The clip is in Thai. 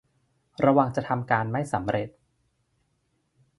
ระวังจะทำการไม่สำเร็จ